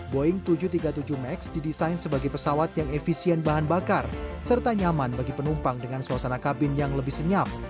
boeing tujuh ratus tiga puluh tujuh max didesain sebagai pesawat yang efisien bahan bakar serta nyaman bagi penumpang dengan suasana kabin yang lebih senyap